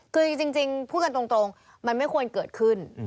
คือจริงพูดกันตรงมันไม่ควรเกิดขึ้น